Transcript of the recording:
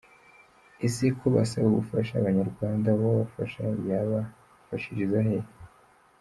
Ese ko basaba ubufasha abanyarwanda uwabafasha yabafashiriza hehe?